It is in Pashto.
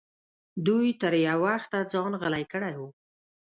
دوی تر یو وخته ځان غلی کړی و.